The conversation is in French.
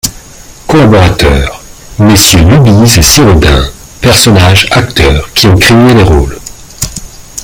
COLLABORATEURS : MMonsieur LUBIZE ET SIRAUDIN PERSONNAGES Acteurs, qui ont créé les rôles.